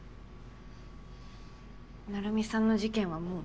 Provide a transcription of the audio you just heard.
成海さんの事件はもう。